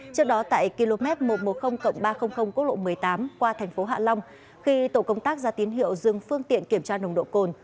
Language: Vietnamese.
trước đó tại km một trăm một mươi ba trăm linh quốc lộ một mươi tám qua thành phố hạ long khi tổ công tác ra tín hiệu dừng phương tiện kiểm tra nồng độ cồn